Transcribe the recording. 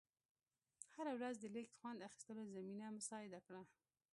هره ورځ د لیږ خوند اخېستو زمینه مساعده کړه.